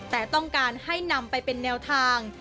แต่ต้องการให้นำไปเป็นแนวทาง